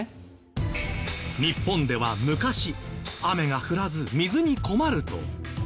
日本では昔雨が降らず水に困ると。